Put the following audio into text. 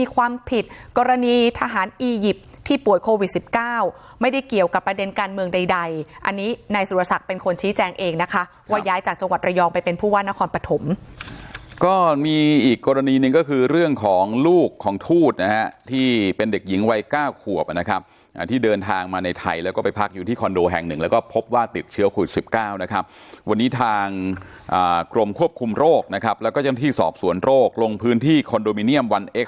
กรณีทหารอียิปต์ที่ป่วยโควิด๑๙ไม่ได้เกี่ยวกับประเด็นการเมืองใดอันนี้นายสุรศักดิ์เป็นคนชี้แจงเองนะคะว่าย้ายจากจังหวัดระยองไปเป็นผู้ว่านครปฐมก็มีอีกกรณีนึงก็คือเรื่องของลูกของทูตนะฮะที่เป็นเด็กหญิงวัย๙ขวบนะครับที่เดินทางมาในไทยแล้วก็ไปพักอยู่ที่คอนโดแห่งหนึ่งแล้วก็พบว่าติ